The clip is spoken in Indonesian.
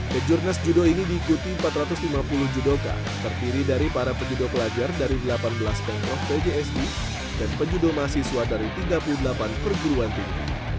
kejurnas judo ini diikuti empat ratus lima puluh judoka terdiri dari para penjudo pelajar dari delapan belas pengkrof pjsd dan penjudo mahasiswa dari tiga puluh delapan perguruan tinggi